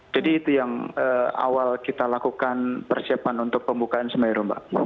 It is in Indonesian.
jadi itu yang awal kita lakukan persiapan untuk pembukaan semeru mbak